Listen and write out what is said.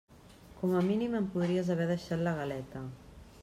Com a mínim em podries haver deixat la galeta.